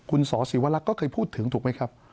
คุณสศิวรักษ์ก็เคยพูดถึงถูกไหมครับ